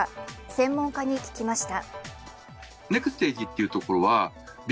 専門家に聞きました。